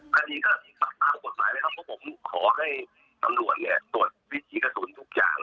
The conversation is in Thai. คดีก็ตามกฎหมายเลยครับเพราะผมขอให้ตำรวจเนี่ยตรวจวิถีกระสุนทุกอย่าง